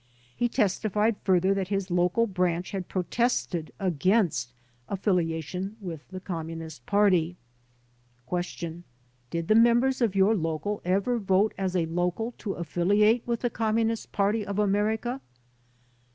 He testified further that his local branch had protested against affiliation with the Communist Party : Q. "Did the members of your local ever vote as a local to affiliate with the Communist Party of America?"